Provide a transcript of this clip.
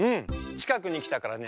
ちかくにきたからね